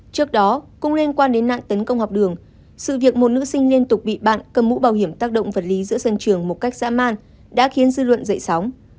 trước đó cũng liên quan đến nạn tấn công học đường sự việc một nữ sinh liên tục bị bạn cầm mũ bảo hiểm tác động vật lý giữa sân trường một cách dã man đã khiến dư luận dậy sóng